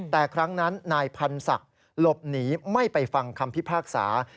แต่ครั้งนั้นนายพันธ์ศักดิ์หลบหนีไม่ไปฟังคำพิพากษา